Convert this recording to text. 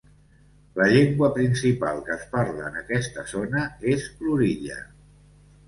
La llengua principal que es parla en aquesta zona és l'oriya.